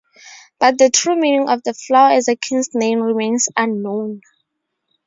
But the true meaning of the flower as a king's name remains unknown.